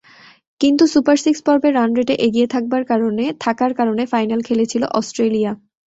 কিন্তু super six পর্বে রানরেটে এগিয়ে থাকার কারণে ফাইনাল খেলেছিল অস্ট্রেলিয়া।